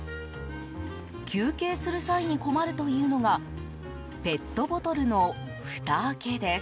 休憩する際に困るというのがペットボトルのふた開けです。